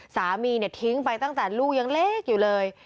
สามีเนี่ยทิ้งไปตั้งแต่ลูกยังเล็กอยู่เลย